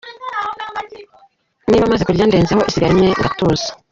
Niba maze kurya ndezaho isigara imwe ngatuza.